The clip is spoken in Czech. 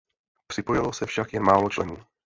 Připojilo se však jen málo členů.